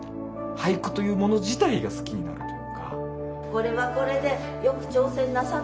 これはこれでよく挑戦なさってると。